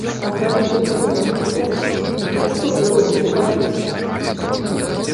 А калі ты нічога не хочаш, дык што ты робіш у палітыцы?